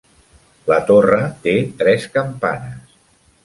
La torre té tres campanes.